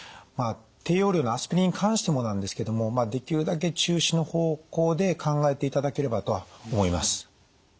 低用量のアスピリンに関してもなんですけどもできるだけ中止の方向で考えていただければとは思います。